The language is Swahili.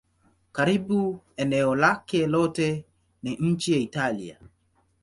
Karibu eneo lake lote ni nchi ya Italia.